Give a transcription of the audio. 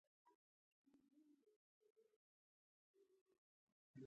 هغه د برټانیې خارجه وزارت مامور چارلس ماروین ته ویلي وو.